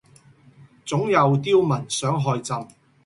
總有刁民想害朕